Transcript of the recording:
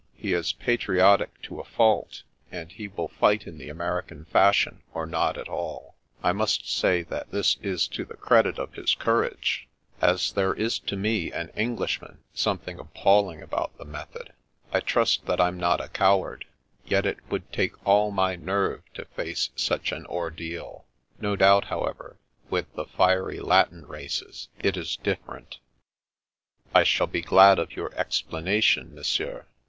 He is patriotic to a fault, and he will fight in the American fashion or not at all. I must say this is to the credit of his courage, as there is to me, an Englishman, some thing appalling about the method. I trust that I'm not a coward, yet it would take all my nerve to face such an ordeal. No doubt, however, with the fiery Latin races it is different." " I shall be glad of your explanation. Monsieur.